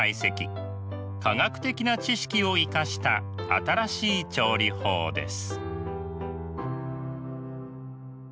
科学的な知識を生かした新しい調理法です。